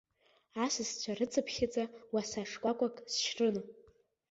Асасцәа рыцыԥхьаӡа уаса шкәакәа сшьрын.